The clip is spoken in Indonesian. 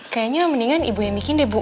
kayaknya mendingan ibu yang bikin deh bu